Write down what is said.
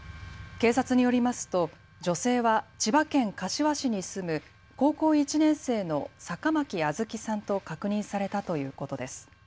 警察によりますと女性は千葉県柏市に住む高校１年生の坂巻杏月さんと確認されたということです。